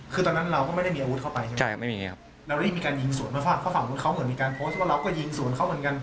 คือตอนนั้นเราก็ไม่ได้มีอาวุธเข้าไปใช่ไหมใช่ไม่มีครับเรารีบมีการยิงสวนมาฟาดเพราะฝั่งนู้นเขาเหมือนมีการโพสต์ว่าเราก็ยิงสวนเขาเหมือนกัน